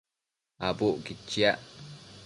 Abucquid chiac